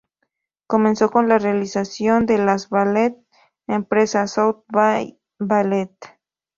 Comenzó con la realización de las ballet empresa, South Bay Ballet.